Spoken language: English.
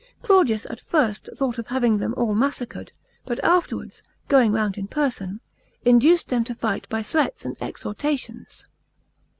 Claudius at first thought of having them all massacred, but after wan Is, going round in person, induced them to fight by threats and exhortations.